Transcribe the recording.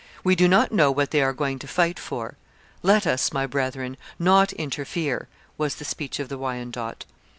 We do not know what they are going to fight for. Let us, my brethren, not interfere, was the speech of the Wyandot.